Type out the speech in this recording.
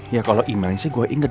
ya kalau email sih gue inget